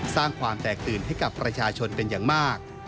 สร้างความแตกตื่นให้กับประชาชนเป็นอย่างมาก